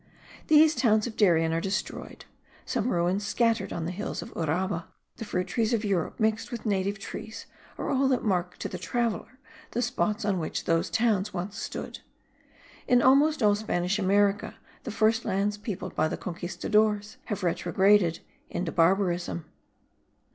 These towns of Darien are destroyed; some ruins scattered on the hills of Uraba, the fruit trees of Europe mixed with native trees, are all that mark to the traveller the spots on which those towns once stood. In almost all Spanish America the first lands peopled by the Conquistadores, have retrograted into barbarism.